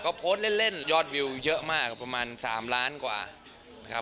ก็โพสต์เล่นยอดวิวเยอะมากประมาณ๓ล้านกว่านะครับ